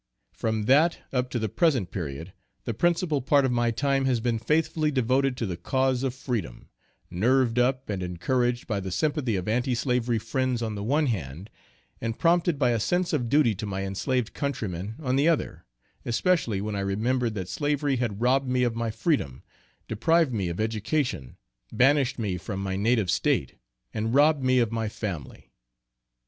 From that up to the present period, the principle part of my time has been faithfully devoted to the cause of freedom nerved up and encouraged by the sympathy of anti slavery friends on the one hand, and prompted by a sense of duty to my enslaved countrymen on the other, especially, when I remembered that slavery had robbed me of my freedom deprived me of education banished me from my native State, and robbed me of my family.